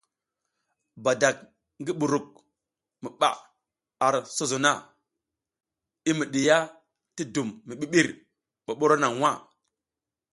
Badak ngi buruk mi ɓaʼa ar sozo na i mi ɗiya ti dum mi ɓiɓir ɓoɓoro naŋ nwa.